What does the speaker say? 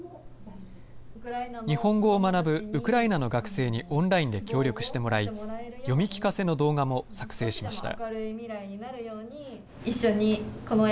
日本語を学ぶウクライナの学生にオンラインで協力してもらい、読み聞かせの動画も作成しました。